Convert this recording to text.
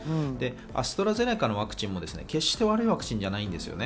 アストラゼネカのワクチンも決して悪いワクチンではないんですよね。